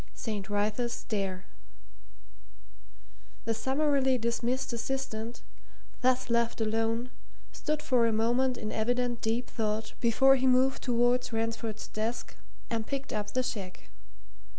ST. WRYTHA'S STAIR The summarily dismissed assistant, thus left alone, stood for a moment in evident deep thought before he moved towards Ransford's desk and picked up the cheque.